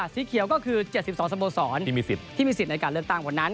สีเขียวก็คือ๗๒สโมสรที่มีสิทธิ์ในการเลือกตั้งวันนั้น